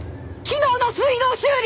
昨日の水道修理